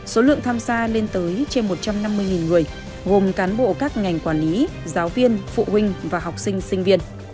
số lượng tham gia lên tới trên một trăm năm mươi người gồm cán bộ các ngành quản lý giáo viên phụ huynh và học sinh sinh viên